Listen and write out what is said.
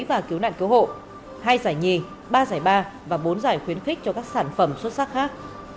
và cứu nạn cứu hộ hai giải nhì ba giải ba và bốn giải khuyến khích cho các sản phẩm xuất sắc khác